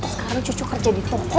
sekarang cucu kerja di toko